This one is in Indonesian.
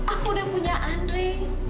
aku udah punya andri